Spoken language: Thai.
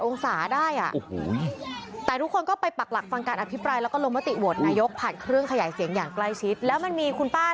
ศาได้อ่ะแต่ทุกคนก็ไปปักหลักฟังการอภิปรายแล้วก็ลงมติโหวตนายกผ่านเครื่องขยายเสียงอย่างใกล้ชิดแล้วมันมีคุณป้า